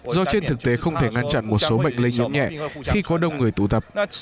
do trên thực tế không thể ngăn chặn một số bệnh lây nhiễm nhẹ khi có đông người tụ tập